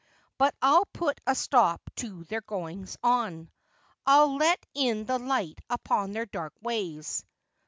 But I'll put a stop to their goings on. I'll let in the light upon their dark ways.